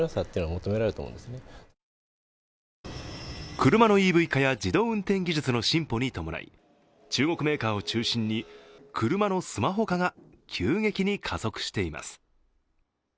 車のＥＶ化や自動運転技術の進歩に伴い中国メーカーを中心に車のスマホ化が急激に加速しています。